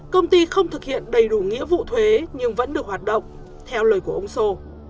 công ty không thực hiện đầy đủ nghĩa vụ thuế nhưng vẫn được hoạt động theo lời của ông sô